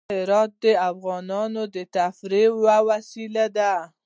هرات د افغانانو د تفریح یوه وسیله ده.